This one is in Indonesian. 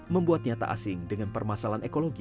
membuatnya tak asing dengan permasalahan ekologi